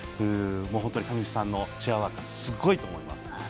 本当に上地さんのチェアワークすごいと思います。